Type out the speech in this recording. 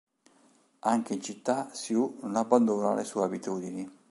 Anche in città, Sue non abbandona le sue abitudini.